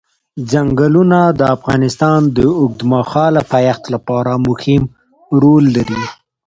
ځنګلونه د افغانستان د اوږدمهاله پایښت لپاره مهم رول لري.